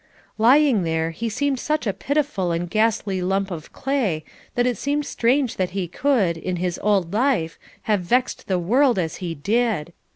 Lying there he seemed such a pitiful and ghastly lump of clay that it seemed strange that he could, in his old life, have vexed the world as he did.